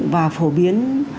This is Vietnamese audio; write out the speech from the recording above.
và phổ biến